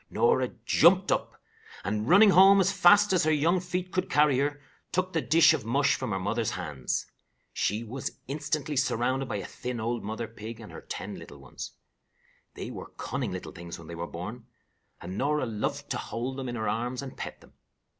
Norah jumped up, and running home as fast as her young feet could carry her, took the dish of mush from her mother's hands. She was instantly surrounded by a thin old mother pig and her ten little ones. They were cunning little things when they were born, and Norah loved to hold them in her arms and pet them.